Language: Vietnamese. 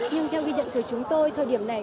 nhưng theo ghi nhận của chúng tôi thời điểm này